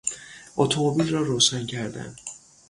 اتومبیل را روشن کردن